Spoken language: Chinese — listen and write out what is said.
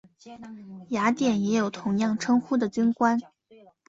雅典也有同样称呼的军官。